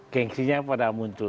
gengsinya pada muncul